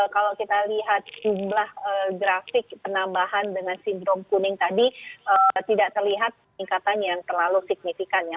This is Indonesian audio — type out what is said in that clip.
kalau kita lihat jumlah grafik penambahan dengan sindrom kuning tadi tidak terlihat tingkatan yang terlalu signifikan ya